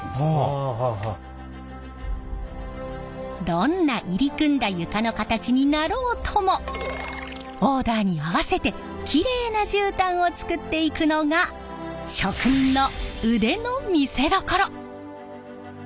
どんな入り組んだ床の形になろうともオーダーに合わせてきれいなじゅうたんを作っていくのが職人の腕の見せどころ！